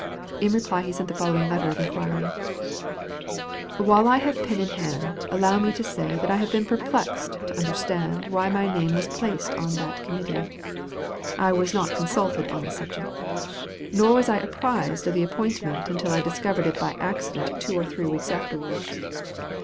In reply he sent the following letter of inquiry: "While I have pen in hand allow me to say that I have been perplexed to understand why my name was placed on that committee. I was not consulted on the subject, nor was I apprised of the appointment until I discovered it by accident two or three weeks afterwards.